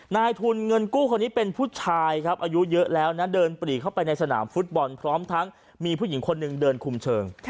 นายทุนเงินกู้คนนี้เป็นผู้ชายครับอายุเยอะแล้วนะเดินปรีเข้าไปในสนามฟุตบอลพร้อมทั้งมีผู้หญิงคนหนึ่งเดินคุมเชิง